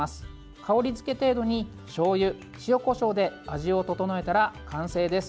香りづけ程度に、しょうゆ塩、こしょうで味を調えたら完成です。